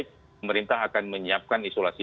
pemerintah akan menyiapkan isolasi